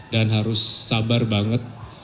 dan harus sabar banget